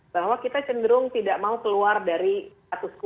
bahwa kita cenderung tidak mau keluar dari status quo